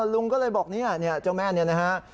ลุงก็เลยบอกเนี่ยเจ้าแม่นี่นะฮะ